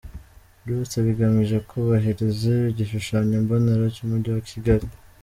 Byose bigamije kubahiriza igishushanyo mbonera cy’umujyi wa Kigali.